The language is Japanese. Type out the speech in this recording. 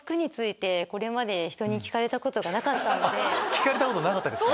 聞かれたことなかったですか。